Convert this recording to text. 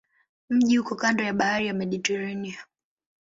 Mji uko kando ya bahari ya Mediteranea.